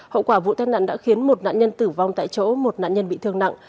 hậu quả vụ tai nạn đã khiến một nạn nhân tử vong tại chỗ một nạn nhân bị thương nặng